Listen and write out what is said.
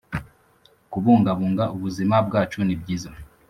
kubungabunga ubuzima bwacu.nibyiza